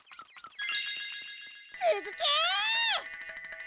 つづけ！